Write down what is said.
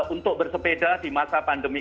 untuk bersepeda di masa pandemi